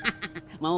maaf ya mas pur